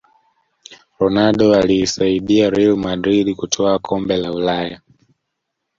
ronaldo aliisaidia real madrid kutwaa kombe la ulaya